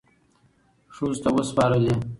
ښځو ته وسپارلې،